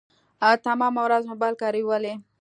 تمامه ورځ موبايل کاروي ولي .